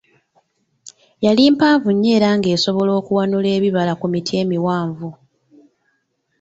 Yali mpanvu nnyo era nga esobola n'okuwanula ebibala ku miti emiwanvu.